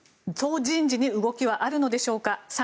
党人事に動きはあるのでしょうか